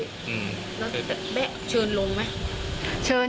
แล้วแบ๊ะเชิญลงไหม